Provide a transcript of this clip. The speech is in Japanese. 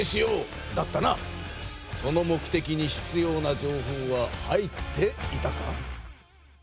その目的にひつような情報は入っていたか？